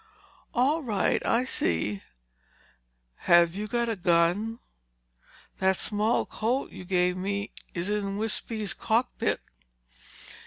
"All right. I see." "Have you got a gun?" "That small Colt you gave me is in Wispy's cockpit."